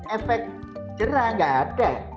efek jerah tidak ada